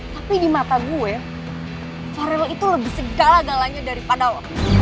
tapi di mata gue caril itu lebih segala galanya daripada